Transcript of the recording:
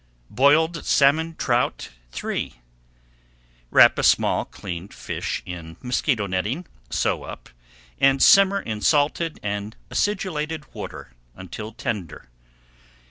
BOILED SALMON TROUT III Wrap a small cleaned fish in mosquito netting, sew up, and simmer in salted and acidulated water until tender.